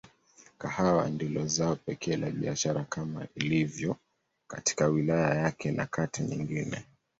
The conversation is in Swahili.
Kahawa ndilo zao pekee la biashara kama ilivyo katika wilaya yake na kata nyingine.